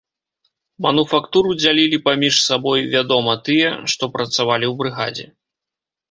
Мануфактуру дзялілі паміж сабой, вядома, тыя, што працавалі ў брыгадзе.